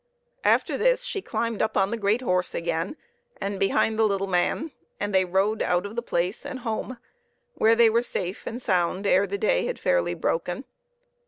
After this she climbed up on the great horse again, and behind the little man, and they rode out of the place and home, where they were safe and sound ere the day had fairly broken.